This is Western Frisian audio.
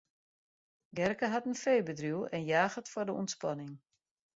Gerke hat in feebedriuw en jaget foar de ûntspanning.